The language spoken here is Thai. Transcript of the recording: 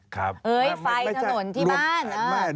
ไฟล์ถนนที่บ้าน